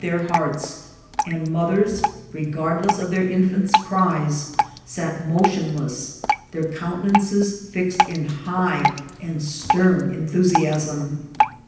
their hearts ; and mothers, regardless of their infants' cries, sat motionless, their countenances fixed in high and stern enthusiasm.